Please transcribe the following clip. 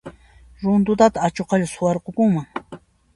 Runtutataq achuqalla suwarqukunman.